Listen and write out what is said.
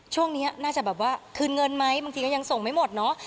ช่วงนี้น่าจะแบบว่าคืนเงินไหมบางทีก็ยังส่งไม่หมดเนาะ